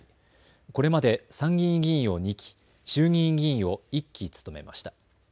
これまで参議院議員を２期、衆議院議員を１期務めました。